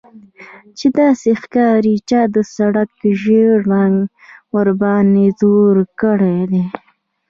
چې داسې ښکاري چا د سړک ژیړ رنګ ورباندې توی کړی دی